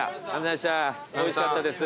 おいしかったです。